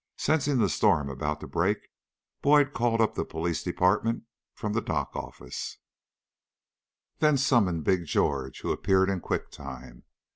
Sensing the storm about to break, Boyd called up the Police Department from the dock office, then summoned Big George, who appeared in quick time.